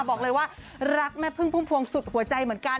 บอกเลยว่ารักแม่พึ่งพุ่มพวงสุดหัวใจเหมือนกัน